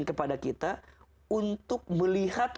kepada kita untuk melihat